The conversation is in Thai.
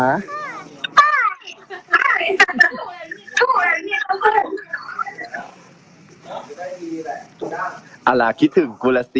เอาล่ะคิดถึงกูแล้วสิ